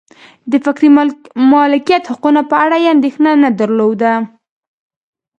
د فکري مالکیت حقونو په اړه یې اندېښنه نه درلوده.